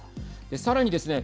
さらにですね。